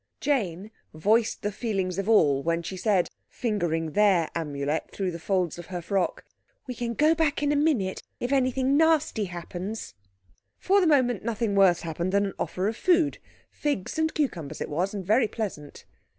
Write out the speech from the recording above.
Jane voiced the feelings of all when she said, fingering their Amulet through the folds of her frock, "We can go back in a minute if anything nasty happens." For the moment nothing worse happened than an offer of food—figs and cucumbers it was, and very pleasant.